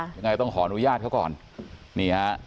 ยังไงต้องขออนุญาตเขาก่อนนี่ฮะ